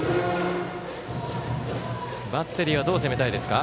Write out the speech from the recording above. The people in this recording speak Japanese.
バッテリーはどう攻めたいですか？